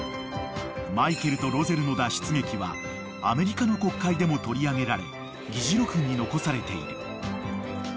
［マイケルとロゼルの脱出劇はアメリカの国会でも取り上げられ議事録に残されている］